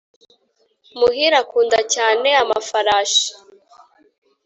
muhire akunda cyane amafarashi